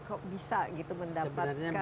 kok bisa gitu mendapatkan ide dan bagaimana